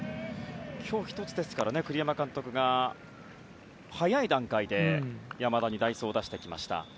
今日、１つ栗山監督が早い段階で山田に代走を出してきました。